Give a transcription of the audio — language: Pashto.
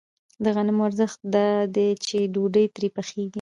د غنمو ارزښت دا دی چې ډوډۍ ترې پخېږي